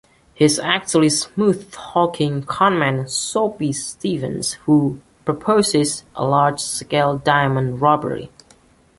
He is actually smooth-talking conman 'Soapy' Stevens, who proposes a large-scale diamond robbery.